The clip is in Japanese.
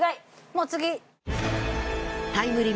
もう次。